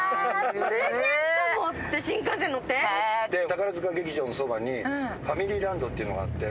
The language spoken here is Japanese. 宝塚劇場のそばにファミリーランドっていうのがあって。